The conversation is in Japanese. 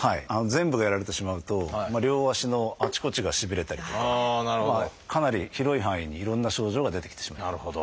全部がやられてしまうと両足のあちこちがしびれたりとかかなり広い範囲にいろんな症状が出てきてしまう。